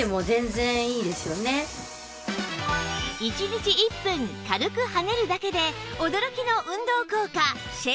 １日１分軽く跳ねるだけで驚きの運動効果シェイプエイト